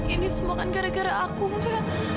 ini semua kan gara gara aku enggak